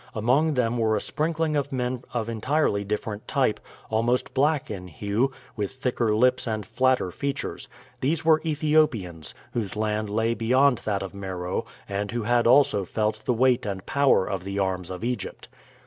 Among them were a sprinkling of men of entirely different type, almost black in hue, with thicker lips and flatter features. These were Ethiopians, whose land lay beyond that of Meroe and who had also felt the weight and power of the arms of Egypt.